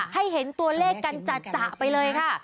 ให้เห็นตัวเลขกันจ่ะไปเลยค่ะ